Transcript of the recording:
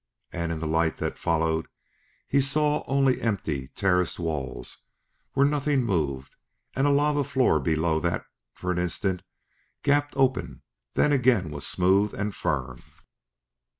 And in the light that followed he saw only empty, terraced walls where nothing moved, and a lava floor below that, for an instant, gaped open, then again was smooth and firm.